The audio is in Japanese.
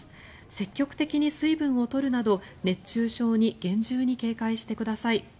積極的に水分を取るなど熱中症に厳重に警戒してください。